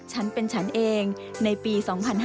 ฉันเป็นฉันเองในปี๒๕๕๙